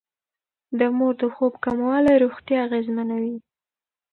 د مور د خوب کموالی روغتيا اغېزمنوي.